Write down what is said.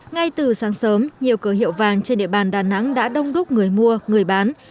ngay từ sáng sớm nhiều cửa hiệu vàng trên địa bàn đà nẵng đã đông đúc người mua người bán